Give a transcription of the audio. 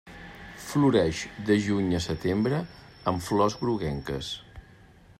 Floreix de juny a setembre amb flors groguenques.